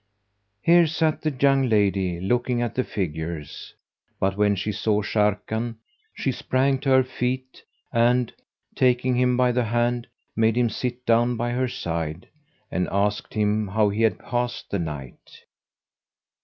[FN#192] Here sat the young lady, looking at the figures; but when she saw Sharrkan, she sprang to her feet and, taking him by the hand, made him sit down by her side, and asked him how he had passed the night.